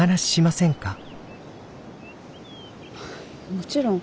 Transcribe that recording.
もちろん。